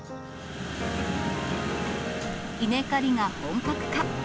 稲刈りが本格化。